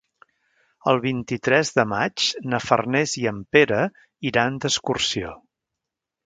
El vint-i-tres de maig na Farners i en Pere iran d'excursió.